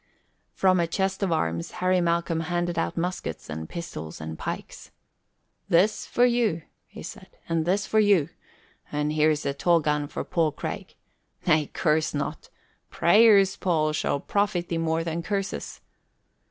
From a chest of arms Harry Malcolm handed out muskets and pistols and pikes. "This for you," he said "and this for you and here's a tall gun for Paul Craig. Nay, curse not! Prayers, Paul, shall profit thee more than curses."